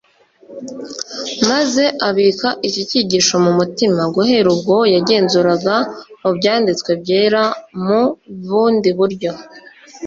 maze abika iki cyigisho mu mutima. Guhera ubwo yagenzuraga mu Byanditswe Byera mu bundi buryo